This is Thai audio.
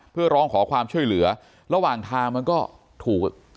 เพื่อร้องขอความช่วยเหลือระหว่างทางมันก็ถูก